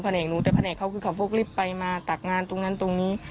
แหนกหนูแต่แผนกเขาคือเขาพกลิฟต์ไปมาตักงานตรงนั้นตรงนี้